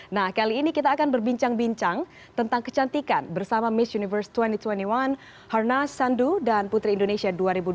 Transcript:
nah kali ini kita akan berbincang bincang tentang kecantikan bersama miss universe dua ribu dua puluh satu harnas sandu dan putri indonesia dua ribu dua puluh